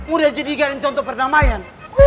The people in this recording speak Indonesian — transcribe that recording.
udah jadi garis contoh perdamaian